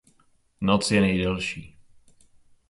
Noc je nejdelší.